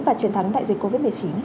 và chiến thắng đại dịch covid một mươi chín